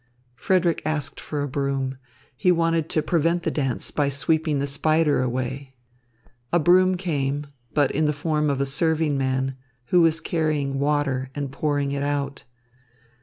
Frederick asked for a broom. He wanted to prevent the dance by sweeping the spider away. A broom came, but in the form of a serving man, who was carrying water and pouring it out.